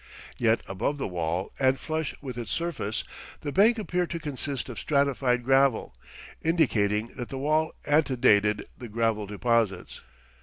Yet above the wall and flush with its surface the bank appeared to consist of stratified gravel, indicating that the wall antedated the gravel deposits.